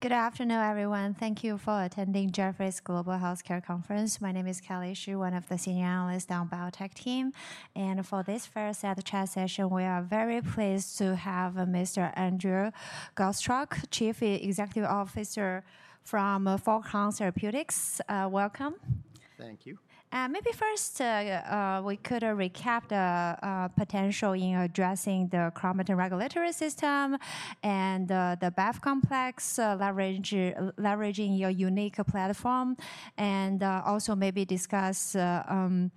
Good afternoon, everyone. Thank you for attending Jeffrey's Global Healthcare Conference. My name is Kelly Xu, one of the senior analysts on the biotech team. For this first chat session, we are very pleased to have Mr. Adrian Dimond, Chief Executive Officer from Foghorn Therapeutics. Welcome. Thank you. Maybe first, we could recap the potential in addressing the Chromatin Regulatory System and the BAF Complex, leveraging your unique platform. Also maybe discuss the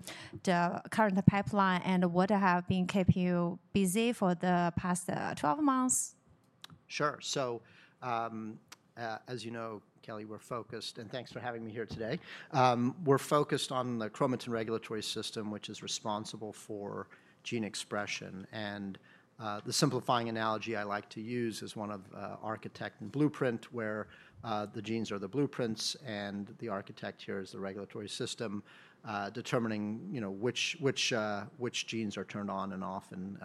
current pipeline and what has been keeping you busy for the past 12 months. Sure. As you know, Kelly, we're focused—and thanks for having me here today—we're focused on the Chromatin Regulatory System, which is responsible for gene expression. The simplifying analogy I like to use is one of architect and blueprint, where the genes are the blueprints and the architect here is the regulatory system, determining which genes are turned on and off and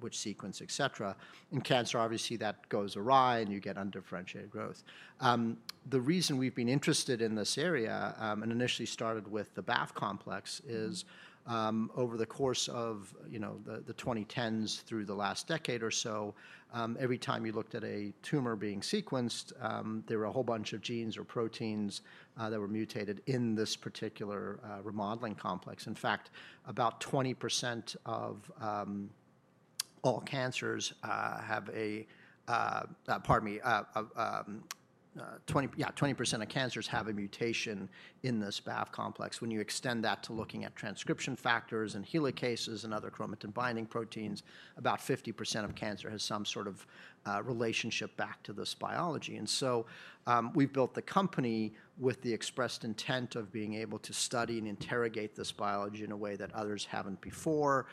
which sequence, et cetera. In cancer, obviously, that goes awry and you get undifferentiated growth. The reason we've been interested in this area and initially started with the BAF Complex is, over the course of the 2010s through the last decade or so, every time you looked at a tumor being sequenced, there were a whole bunch of genes or proteins that were mutated in this particular remodeling complex. In fact, about 20% of all cancers have a—pardon me—yeah, 20% of cancers have a mutation in this BAF Complex. When you extend that to looking at transcription factors and helicases and other chromatin-binding proteins, about 50% of cancer has some sort of relationship back to this biology. We have built the company with the expressed intent of being able to study and interrogate this biology in a way that others have not before.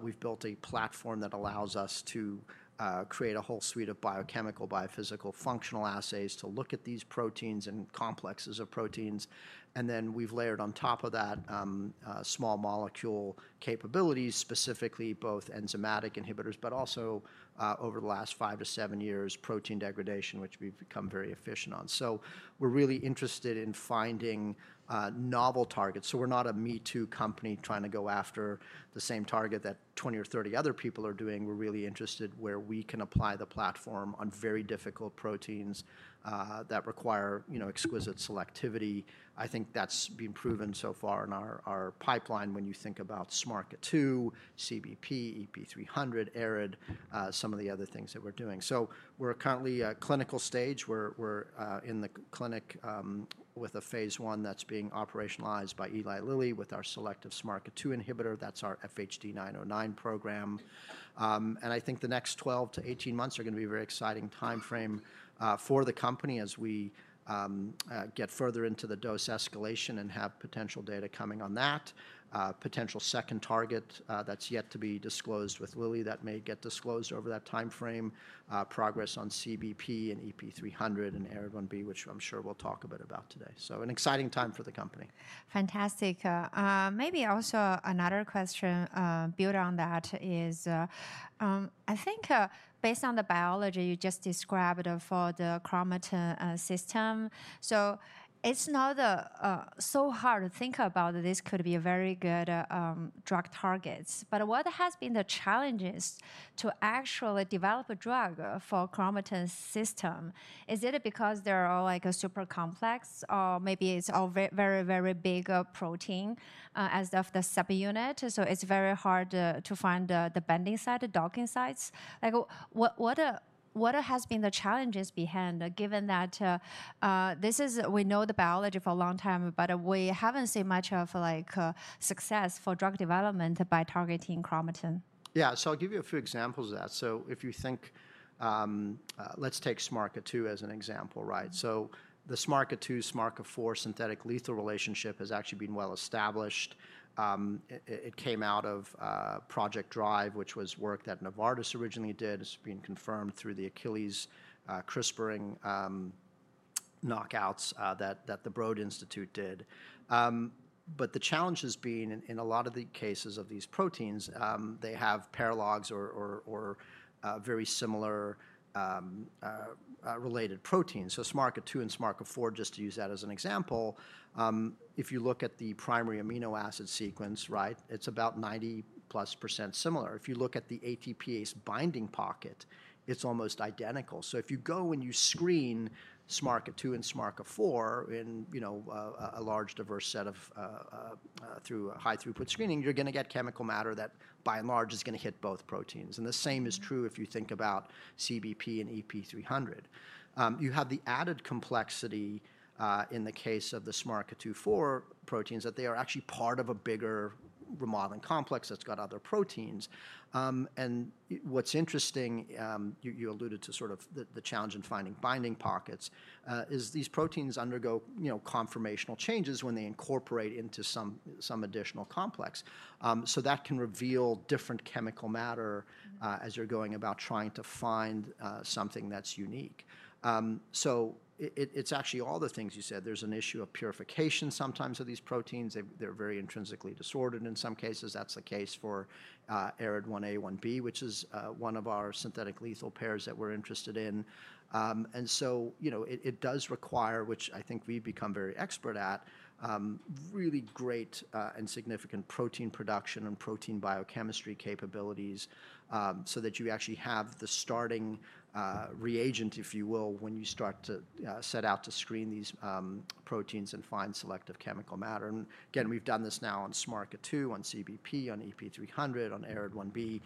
We have built a platform that allows us to create a whole suite of biochemical, biophysical, functional assays to look at these proteins and complexes of proteins. We have layered on top of that small molecule capabilities, specifically both enzymatic inhibitors, but also over the last five to seven years, protein degradation, which we have become very efficient on. We are really interested in finding novel targets. We're not a me-too company trying to go after the same target that 20 or 30 other people are doing. We're really interested where we can apply the platform on very difficult proteins that require exquisite selectivity. I think that's been proven so far in our pipeline when you think about SMARCA2, CBP, EP300, ARID, some of the other things that we're doing. We're currently at clinical stage. We're in the clinic with a phase one that's being operationalized by Eli Lilly with our selective SMARCA2 inhibitor. That's our FHD-909 program. I think the next 12-18 months are going to be a very exciting timeframe for the company as we get further into the dose escalation and have potential data coming on that. Potential second target that's yet to be disclosed with Lilly that may get disclosed over that timeframe, progress on CBP and EP300 and ARID1B, which I'm sure we'll talk a bit about today. An exciting time for the company. Fantastic. Maybe also another question built on that is, I think based on the biology you just described for the chromatin system, so it's not so hard to think about this could be a very good drug target. What has been the challenges to actually develop a drug for chromatin system? Is it because they're all like super complex or maybe it's a very, very big protein as of the subunit? It's very hard to find the binding site, the docking sites. What has been the challenges behind, given that this is we know the biology for a long time, but we haven't seen much of success for drug development by targeting chromatin? Yeah. So I'll give you a few examples of that. If you think, let's take SMARCA2 as an example, right? The SMARCA2-SMARCA4 synthetic lethal relationship has actually been well established. It came out of Project Drive, which was work that Novartis originally did. It's been confirmed through the Achilles CRISPR knockouts that the Broad Institute did. The challenge being, in a lot of the cases of these proteins, they have paralogs or very similar related proteins. SMARCA2 and SMARCA4, just to use that as an example, if you look at the primary amino acid sequence, right, it's about 90+% similar. If you look at the ATPase binding pocket, it's almost identical. If you go and you screen SMARCA2 and SMARCA4 in a large diverse set of, through high throughput screening, you're going to get chemical matter that by and large is going to hit both proteins. The same is true if you think about CBP and EP300. You have the added complexity in the case of the SMARCA2/4 proteins that they are actually part of a bigger remodeling complex that's got other proteins. What's interesting, you alluded to sort of the challenge in finding binding pockets, is these proteins undergo conformational changes when they incorporate into some additional complex. That can reveal different chemical matter as you're going about trying to find something that's unique. It's actually all the things you said. There's an issue of purification sometimes of these proteins. They're very intrinsically disordered in some cases. That's the case for ARID1A, 1B, which is one of our synthetic lethal pairs that we're interested in. It does require, which I think we've become very expert at, really great and significant protein production and protein biochemistry capabilities so that you actually have the starting reagent, if you will, when you start to set out to screen these proteins and find selective chemical matter. We've done this now on SMARCA2, on CBP, on EP300, on ARID1B,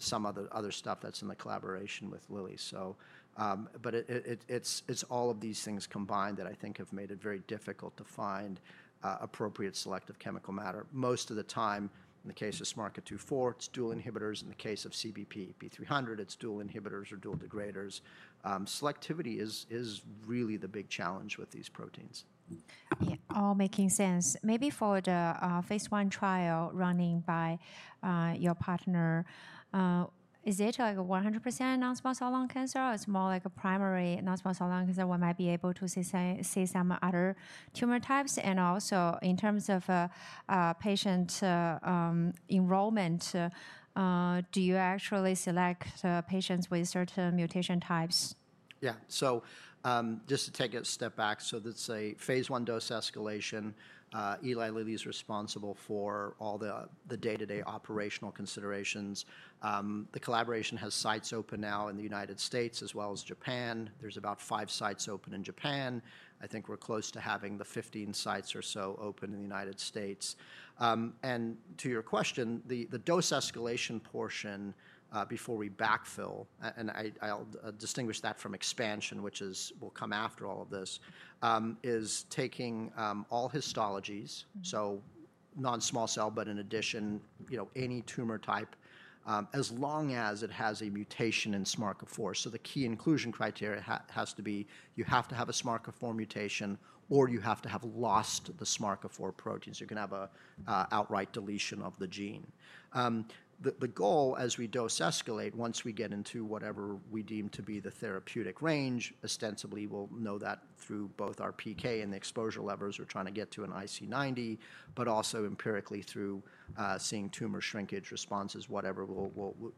some other stuff that's in the collaboration with Lilly. It's all of these things combined that I think have made it very difficult to find appropriate selective chemical matter. Most of the time, in the case of SMARCA2/4, it's dual inhibitors. In the case of CBP, EP300, it's dual inhibitors or dual degraders. Selectivity is really the big challenge with these proteins. All making sense. Maybe for the phase one trial running by your partner, is it like a 100% Non-Small Cell Lung Cancer or it's more like a primary Non-Small Cell Lung Cancer where we might be able to see some other tumor types? Also, in terms of patient enrollment, do you actually select patients with certain mutation types? Yeah. Just to take a step back, let's say phase one dose escalation, Eli Lilly is responsible for all the day-to-day operational considerations. The collaboration has sites open now in the United States as well as Japan. There are about five sites open in Japan. I think we're close to having 15 sites or so open in the United States. To your question, the dose escalation portion before we backfill, and I'll distinguish that from expansion, which will come after all of this, is taking all histologies, so non-small cell, but in addition, any tumor type, as long as it has a mutation in SMARCA4. The key inclusion criteria has to be you have to have a SMARCA4 mutation or you have to have lost the SMARCA4 proteins. You're going to have an outright deletion of the gene. The goal as we dose escalate, once we get into whatever we deem to be the therapeutic range, ostensibly we'll know that through both our PK and the exposure levers we're trying to get to an IC90, but also empirically through seeing tumor shrinkage responses, whatever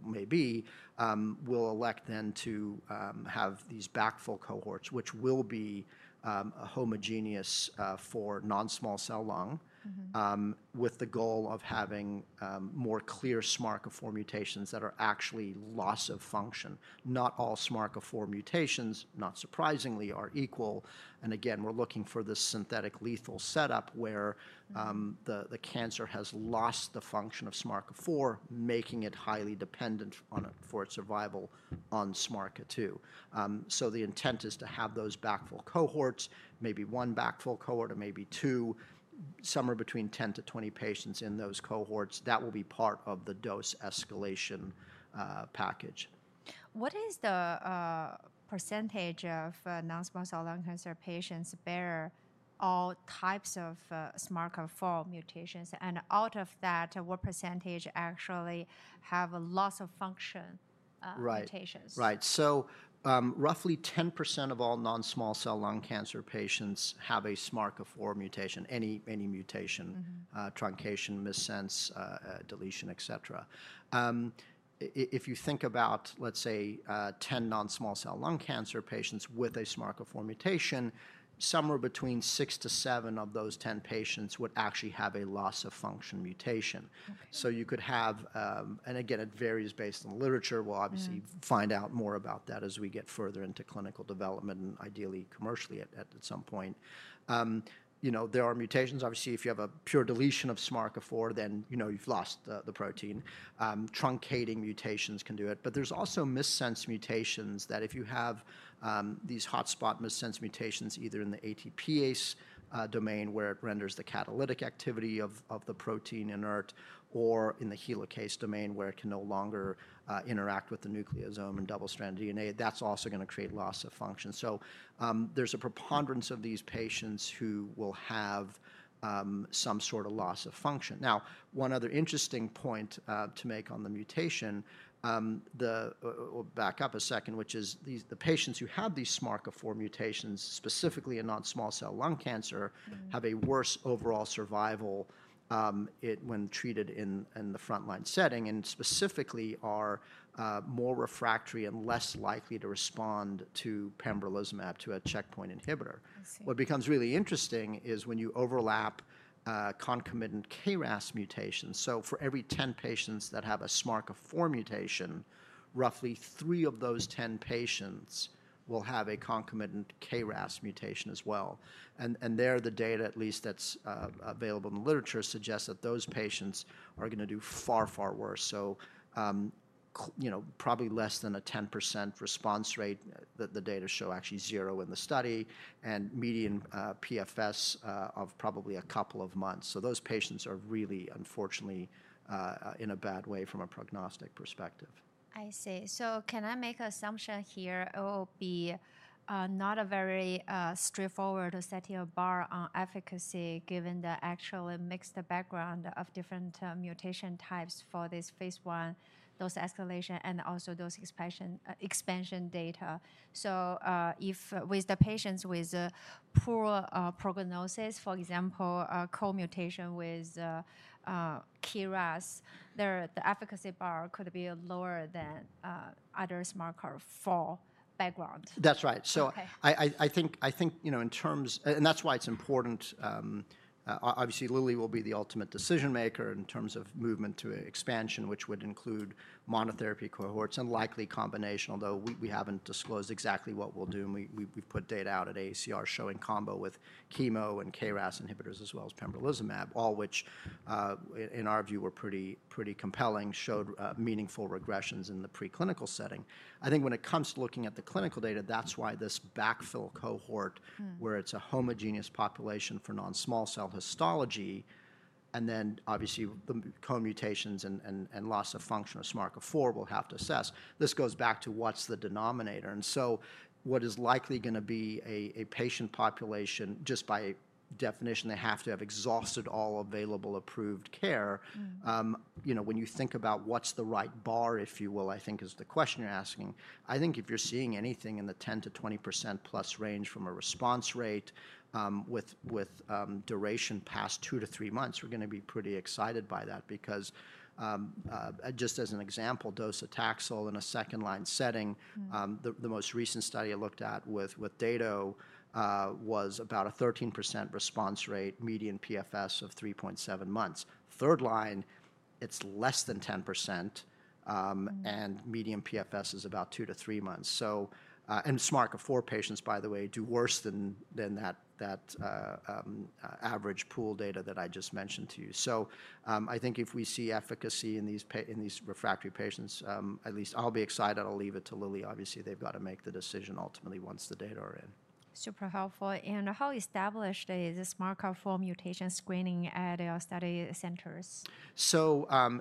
may be, we'll elect then to have these backfill cohorts, which will be homogeneous for non-small cell lung with the goal of having more clear SMARCA4 mutations that are actually loss of function. Not all SMARCA4 mutations, not surprisingly, are equal. Again, we're looking for this synthetic lethal setup where the cancer has lost the function of SMARCA4, making it highly dependent for its survival on SMARCA2. The intent is to have those backfill cohorts, maybe one backfill cohort or maybe two, somewhere between 10-20 patients in those cohorts. That will be part of the dose escalation package. What is the percentage of Non-Small Cell Lung Cancer patients bear all types of SMARCA4 mutations? And out of that, what percentage actually have loss of function mutations? Right. So roughly 10% of all Non-Small Cell Lung Cancer patients have a SMARCA4 mutation, any mutation, truncation, missense, deletion, et cetera. If you think about, let's say, 10 Non-Small Cell Lung Cancer patients with a SMARCA4 mutation, somewhere between 6–7 out of 10 patients would actually have a loss of function mutation. You could have, and again, it varies based on the literature. We'll obviously find out more about that as we get further into clinical development and ideally commercially at some point. There are mutations. Obviously, if you have a pure deletion of SMARCA4, then you've lost the protein. Truncating mutations can do it. There are also missense mutations that, if you have these hotspot missense mutations either in the ATPase domain where it renders the catalytic activity of the protein inert or in the helicase domain where it can no longer interact with the nucleosome and double-stranded DNA, that is also going to create loss of function. There is a preponderance of these patients who will have some sort of loss of function. Now, one other interesting point to make on the mutation, we will back up a second, which is the patients who have these SMARCA4 mutations specifically in Non-Small Cell Lung Cancer have a worse overall survival when treated in the frontline setting and specifically are more refractory and less likely to respond to pembrolizumab, to a checkpoint inhibitor. What becomes really interesting is when you overlap concomitant KRAS mutations. For every 10 patients that have a SMARCA4 mutation, roughly three of those 10 patients will have a concomitant KRAS mutation as well. The data, at least that's available in the literature, suggests that those patients are going to do far, far worse. Probably less than a 10% response rate, the data show actually zero in the study and median PFS of probably a couple of months. Those patients are really unfortunately in a bad way from a prognostic perspective. I see. So can I make an assumption here? It will be not very straightforward to set your bar on efficacy given the actual mixed background of different mutation types for this phase one, dose escalation, and also dose expansion data. So with the patients with poor prognosis, for example, comutation with KRAS, the efficacy bar could be lower than other SMARCA4 background. That's right. I think in terms, and that's why it's important, obviously Lilly will be the ultimate decision maker in terms of movement to expansion, which would include monotherapy cohorts and likely combination, although we haven't disclosed exactly what we'll do. We've put data out at AACR showing combo with chemo and KRAS inhibitors as well as pembrolizumab, all which in our view were pretty compelling, showed meaningful regressions in the preclinical setting. I think when it comes to looking at the clinical data, that's why this backfill cohort where it's a homogeneous population for non-small cell histology and then obviously the comutations and loss of function of SMARCA4 we'll have to assess, this goes back to what's the denominator. What is likely going to be a patient population just by definition, they have to have exhausted all available approved care. When you think about what's the right bar, if you will, I think is the question you're asking. I think if you're seeing anything in the 10-20%+ range from a response rate with duration past two to three months, we're going to be pretty excited by that because just as an example, dose of Taxol in a second line setting, the most recent study I looked at with Dato was about a 13% response rate, median PFS of 3.7 months. Third line, it's less than 10% and median PFS is about two to three months. And SMARCA4 patients, by the way, do worse than that average pool data that I just mentioned to you. So I think if we see efficacy in these refractory patients, at least I'll be excited. I'll leave it to Lilly. Obviously, they've got to make the decision ultimately once the data are in. Super helpful. How established is SMARCA4 mutation screening at your study centers?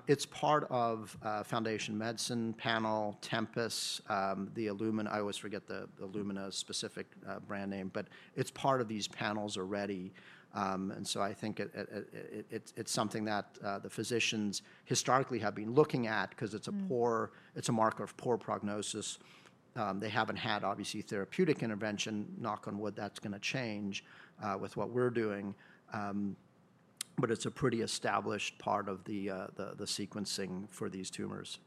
It's part of Foundation Medicine panel, Tempus, the Illumina. I always forget the Illumina specific brand name, but it's part of these panels already. I think it's something that the physicians historically have been looking at because it's a marker of poor prognosis. They haven't had obviously therapeutic intervention. Knock on wood, that's going to change with what we're doing. It's a pretty established part of the sequencing for these tumors.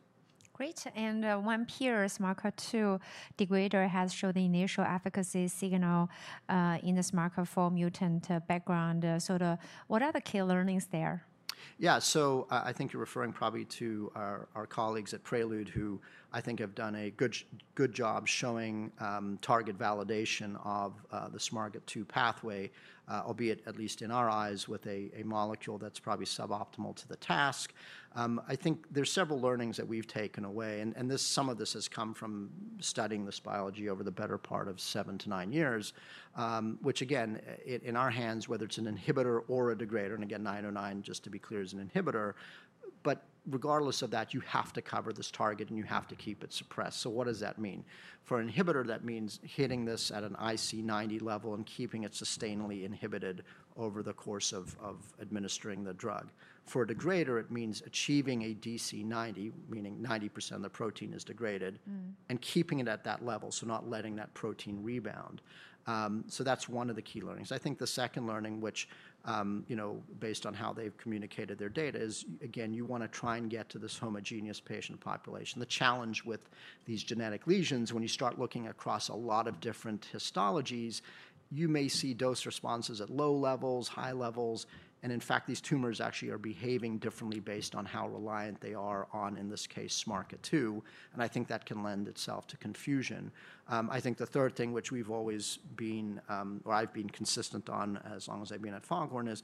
Great. And one peer, SMARCA2 degrader, has showed the initial efficacy signal in the SMARCA4 mutant background. What are the key learnings there? Yeah. I think you're referring probably to our colleagues at Prelude who I think have done a good job showing target validation of the SMARCA2 pathway, albeit at least in our eyes with a molecule that's probably suboptimal to the task. I think there's several learnings that we've taken away. Some of this has come from studying this biology over the better part of seven to nine years, which again, in our hands, whether it's an inhibitor or a degrader, and again, 909 just to be clear is an inhibitor. Regardless of that, you have to cover this target and you have to keep it suppressed. What does that mean? For an inhibitor, that means hitting this at an IC90 level and keeping it sustainably inhibited over the course of administering the drug. For a degrader, it means achieving a DC90, meaning 90% of the protein is degraded and keeping it at that level, not letting that protein rebound. That is one of the key learnings. I think the second learning, which based on how they've communicated their data is, again, you want to try and get to this homogeneous patient population. The challenge with these genetic lesions, when you start looking across a lot of different histologies, you may see dose responses at low levels, high levels. In fact, these tumors actually are behaving differently based on how reliant they are on, in this case, SMARCA2. I think that can lend itself to confusion. I think the third thing, which we've always been, or I've been consistent on as long as I've been at Foghorn, is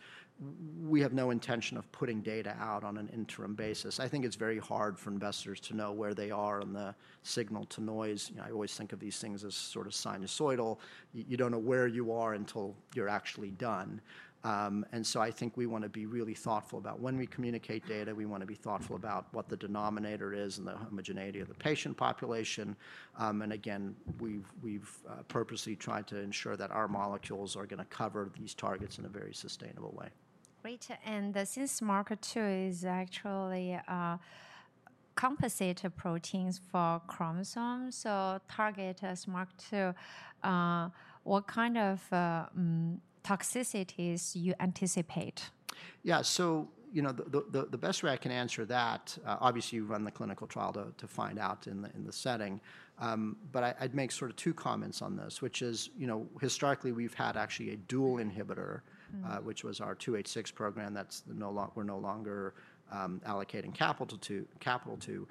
we have no intention of putting data out on an interim basis. I think it's very hard for investors to know where they are on the signal to noise. I always think of these things as sort of sinusoidal. You don't know where you are until you're actually done. I think we want to be really thoughtful about when we communicate data, we want to be thoughtful about what the denominator is and the homogeneity of the patient population. Again, we've purposely tried to ensure that our molecules are going to cover these targets in a very sustainable way. Great. Since SMARCA2 is actually a compensator protein for chromosomes, to target SMARCA2, what kind of toxicities do you anticipate? Yeah. The best way I can answer that, obviously you run the clinical trial to find out in the setting. I'd make sort of two comments on this, which is historically we've had actually a dual inhibitor, which was our 286 program we're no longer allocating capital to.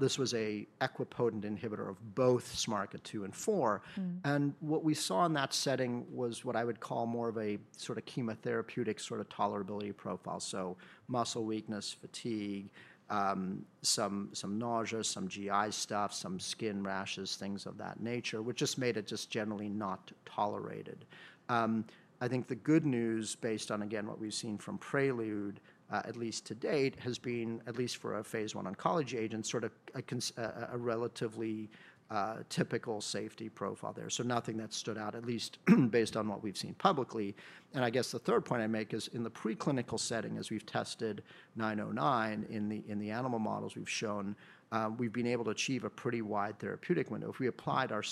This was an equipotent inhibitor of both SMARCA2 and SMARCA4. What we saw in that setting was what I would call more of a sort of chemotherapeutic sort of tolerability profile. Muscle weakness, fatigue, some nausea, some GI stuff, some skin rashes, things of that nature, which just made it just generally not tolerated. I think the good news based on, again, what we've seen from Prelude, at least to date, has been, at least for a phase one oncology agent, sort of a relatively typical safety profile there. Nothing that stood out, at least based on what we've seen publicly. I guess the third point I make is in the preclinical setting, as we've tested 909 in the animal models we've shown, we've been able to achieve a pretty wide therapeutic window. If we applied our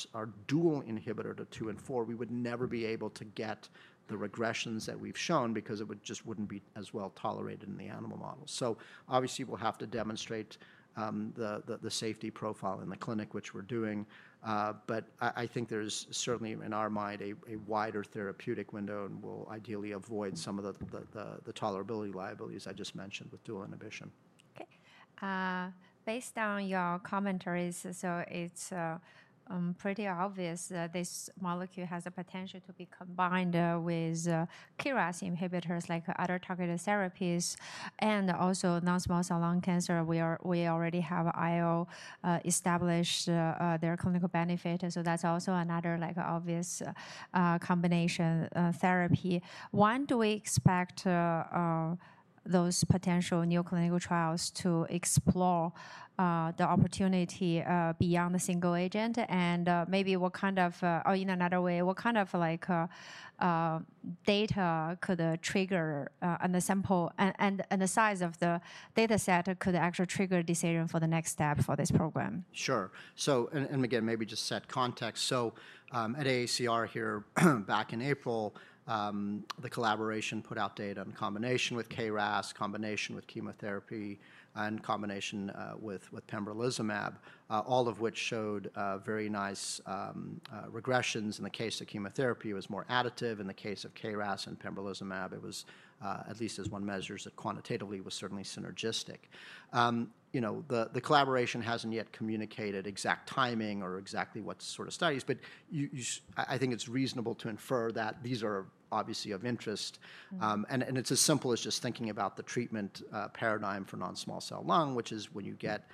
dual inhibitor to 2 and 4, we would never be able to get the regressions that we've shown because it just wouldn't be as well tolerated in the animal model. Obviously we'll have to demonstrate the safety profile in the clinic, which we're doing. I think there's certainly in our mind a wider therapeutic window and we'll ideally avoid some of the tolerability liabilities I just mentioned with dual inhibition. Okay. Based on your commentaries, it's pretty obvious that this molecule has a potential to be combined with KRAS inhibitors like other targeted therapies and also Non-Small Cell Lung Cancer. We already have IO established their clinical benefit. That's also another obvious combination therapy. When do we expect those potential new clinical trials to explore the opportunity beyond the single agent? Maybe what kind of, or in another way, what kind of data could trigger and the size of the dataset could actually trigger a decision for the next step for this program? Sure. Maybe just set context. At AACR here back in April, the collaboration put out data in combination with KRAS, combination with chemotherapy, and combination with pembrolizumab, all of which showed very nice regressions. In the case of chemotherapy, it was more additive. In the case of KRAS and pembrolizumab, it was, at least as one measures it quantitatively, certainly synergistic. The collaboration has not yet communicated exact timing or exactly what sort of studies, but I think it is reasonable to infer that these are obviously of interest. It is as simple as just thinking about the treatment paradigm for non-small cell lung, which is when you get,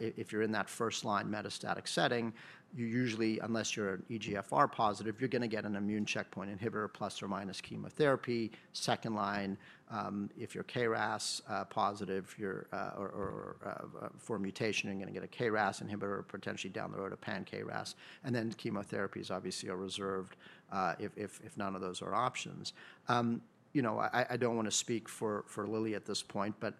if you are in that first line metastatic setting, you usually, unless you are an EGFR positive, you are going to get an immune checkpoint inhibitor plus or minus chemotherapy. Second line, if you're KRAS positive for mutation, you're going to get a KRAS inhibitor, potentially down the road a pan-KRAS. Chemotherapy is obviously reserved if none of those are options. I don't want to speak for Lilly at this point, but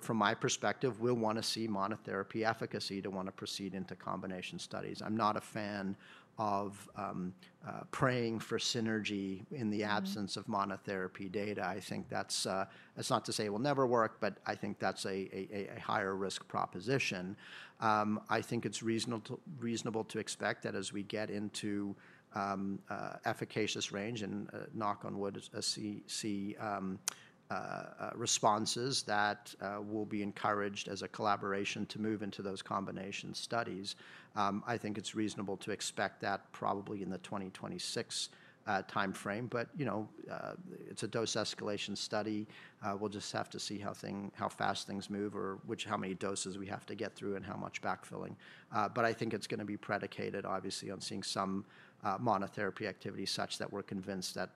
from my perspective, we'll want to see monotherapy efficacy to want to proceed into combination studies. I'm not a fan of praying for synergy in the absence of monotherapy data. I think that's not to say it will never work, but I think that's a higher risk proposition. I think it's reasonable to expect that as we get into efficacious range and, knock on wood, I see responses that will be encouraged as a collaboration to move into those combination studies. I think it's reasonable to expect that probably in the 2026 timeframe, but it's a dose escalation study. We'll just have to see how fast things move or how many doses we have to get through and how much backfilling. I think it's going to be predicated obviously on seeing some monotherapy activity such that we're convinced that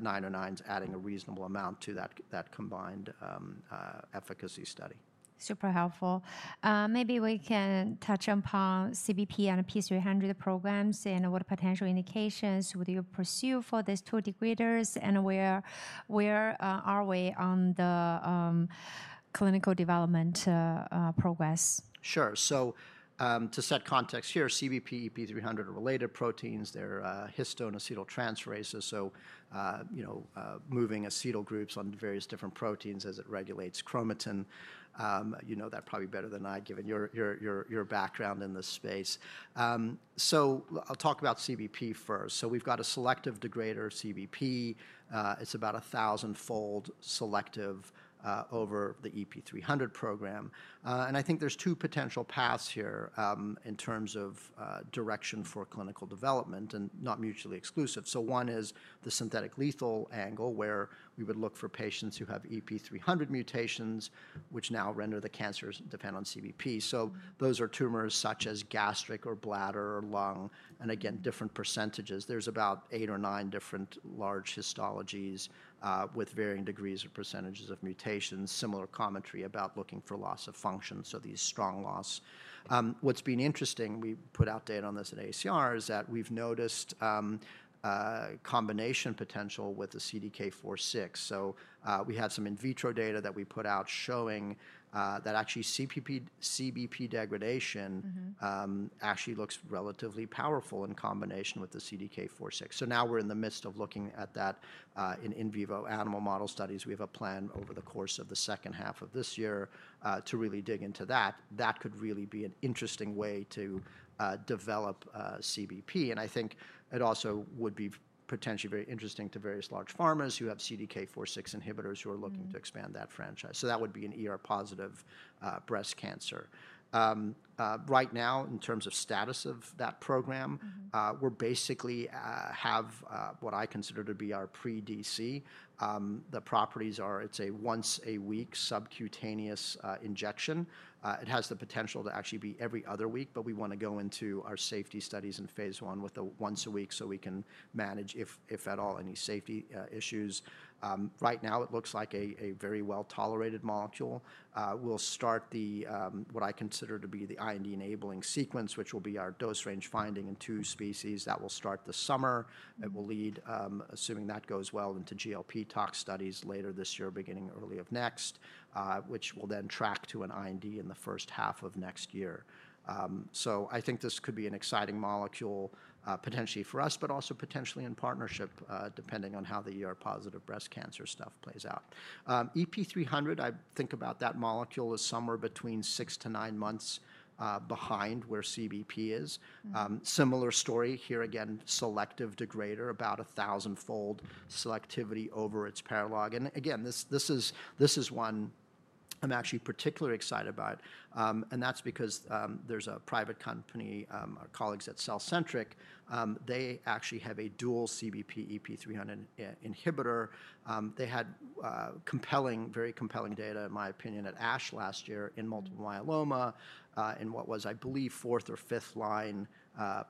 909 is adding a reasonable amount to that combined efficacy study. Super helpful. Maybe we can touch upon CBP and EP300 programs and what potential indications would you pursue for these two degraders and where are we on the clinical development progress? Sure. To set context here, CBP, EP300 related proteins, they're histone acetyltransferases. Moving acetyl groups on various different proteins as it regulates chromatin. You know that probably better than I given your background in this space. I'll talk about CBP first. We've got a selective degrader, CBP. It's about 1,000-fold selective over the EP300 program. I think there's two potential paths here in terms of direction for clinical development and not mutually exclusive. One is the synthetic lethal angle where we would look for patients who have EP300 mutations, which now render the cancers dependent on CBP. Those are tumors such as gastric or bladder or lung. Different percentages. There's about eight or nine different large histologies with varying degrees of percentages of mutations, similar commentary about looking for loss of function. These strong loss. What's been interesting, we put out data on this at ACR is that we've noticed combination potential with the CDK4/6. We had some in vitro data that we put out showing that actually CBP degradation actually looks relatively powerful in combination with the CDK4/6. Now we're in the midst of looking at that in in vivo animal model studies. We have a plan over the course of the second half of this year to really dig into that. That could really be an interesting way to develop CBP. I think it also would be potentially very interesting to various large pharmas who have CDK4/6 Inhibitors who are looking to expand that franchise. That would be in positive breast cancer. Right now, in terms of status of that program, we basically have what I consider to be our Pre-DC. The properties are, it's a once a week subcutaneous injection. It has the potential to actually be every other week, but we want to go into our safety studies in phase one with the once a week so we can manage, if at all, any safety issues. Right now, it looks like a very well tolerated molecule. We'll start what I consider to be the IND enabling sequence, which will be our dose range finding in two species. That will start this summer. It will lead, assuming that goes well, into GLP tox studies later this year, beginning early of next, which will then track to an IND in the first half of next year. I think this could be an exciting molecule potentially for us, but also potentially in partnership depending on how the positive breast cancer stuff plays out. EP300, I think about that molecule as somewhere between six to nine months behind where CBP is. Similar story here, again, selective degrader, about a thousand fold selectivity over its paralog. Again, this is one I'm actually particularly excited about. That's because there's a private company, our colleagues at Cellcentric, they actually have a dual CBP EP300 inhibitor. They had compelling, very compelling data, in my opinion, at ASH last year in multiple myeloma in what was, I believe, fourth or fifth line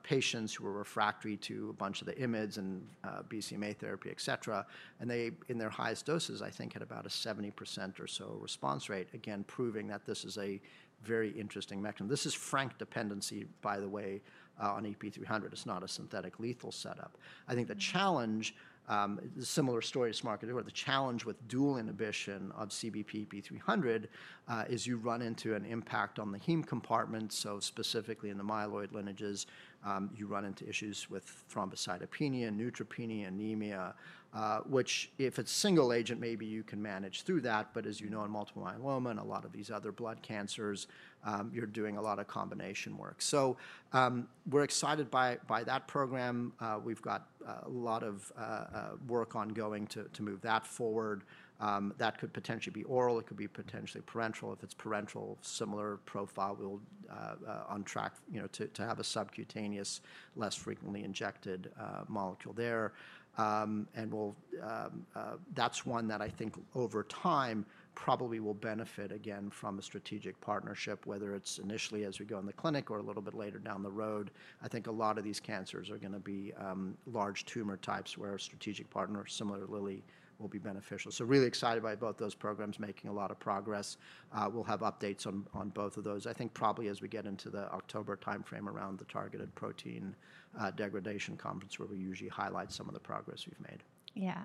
patients who were refractory to a bunch of the IMIDs and BCMA therapy, et cetera. In their highest doses, I think at about a 70% or so response rate, again, proving that this is a very interesting mechanism. This is frank dependency, by the way, on EP300. It's not a synthetic lethal setup. I think the challenge, similar story to SMARCA2, the challenge with dual inhibition of CBP EP300 is you run into an impact on the heme compartment. Specifically in the myeloid lineages, you run into issues with thrombocytopenia, neutropenia, anemia, which if it's single agent, maybe you can manage through that. As you know, in multiple myeloma and a lot of these other blood cancers, you're doing a lot of combination work. We're excited by that program. We've got a lot of work ongoing to move that forward. That could potentially be oral. It could be potentially parenteral. If it's parenteral, similar profile, we're on track to have a subcutaneous, less frequently injected molecule there. That's one that I think over time probably will benefit again from a strategic partnership, whether it's initially as we go in the clinic or a little bit later down the road. I think a lot of these cancers are going to be large tumor types where a strategic partner, similar to Lilly, will be beneficial. Really excited by both those programs, making a lot of progress. We'll have updates on both of those. I think probably as we get into the October timeframe around the targeted protein degradation conference, where we usually highlight some of the progress we've made. Yeah.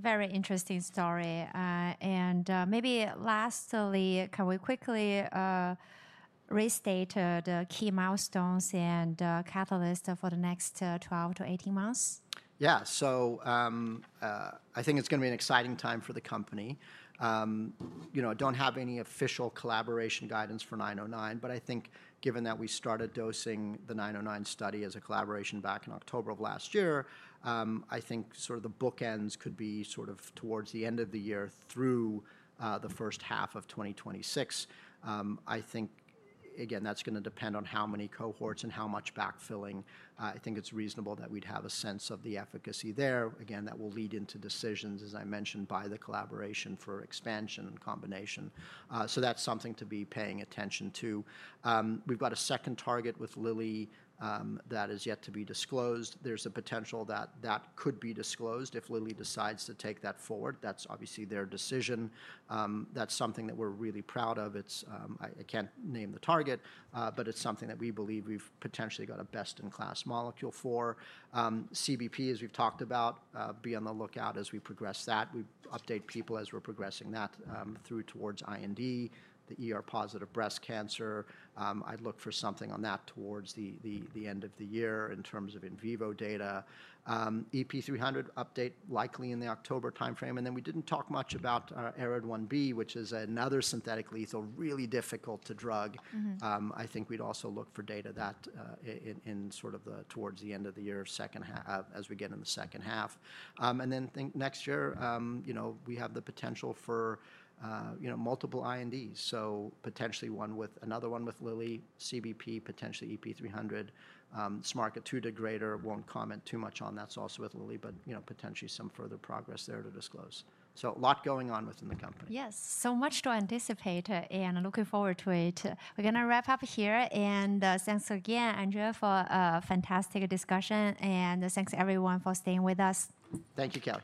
Very interesting story. Maybe lastly, can we quickly restate the key milestones and catalysts for the next 12 to 18 months? Yeah. I think it's going to be an exciting time for the company. I don't have any official collaboration guidance for 909, but I think given that we started dosing the 909 study as a collaboration back in October of last year, I think the bookends could be towards the end of the year through the first half of 2026. I think, again, that's going to depend on how many cohorts and how much backfilling. I think it's reasonable that we'd have a sense of the efficacy there. Again, that will lead into decisions, as I mentioned, by the collaboration for expansion and combination. That's something to be paying attention to. We've got a second target with Lilly that is yet to be disclosed. There's a potential that could be disclosed if Lilly decides to take that forward. That's obviously their decision. That's something that we're really proud of. I can't name the target, but it's something that we believe we've potentially got a best in class molecule for. CBP, as we've talked about, be on the lookout as we progress that. We update people as we're progressing that through towards IND, the positive breast cancer. I'd look for something on that towards the end of the year in terms of in vivo data. EP300 update likely in the October timeframe. We didn't talk much about ARID1B, which is another synthetic lethal, really difficult to drug. I think we'd also look for data in sort of towards the end of the year, as we get in the second half. Next year, we have the potential for multiple INDs. So potentially one with another one with Lilly, CBP, potentially EP300. SMARCA2 degrader, won't comment too much on that, that's also with Lilly, but potentially some further progress there to disclose. A lot going on within the company. Yes. So much to anticipate and looking forward to it. We're going to wrap up here. Thanks again, Adrian, for a fantastic discussion. Thanks everyone for staying with us. Thank you, Kelly.